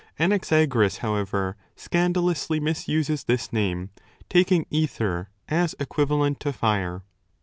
Anaxa 25 goras, however, scandalously misuses this name, taking aither as equivalent to fire.